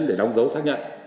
để đóng dấu xác nhận